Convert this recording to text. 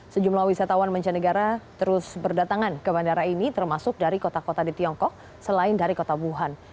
sejumlah wisatawan mancanegara terus berdatangan ke bandara ini termasuk dari kota kota di tiongkok selain dari kota wuhan